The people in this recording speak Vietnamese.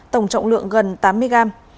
tổng trọng lượng gần tám mươi gram